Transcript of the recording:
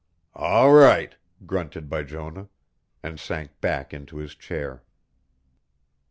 "All right," grunted Bijonah, and sank back into his chair.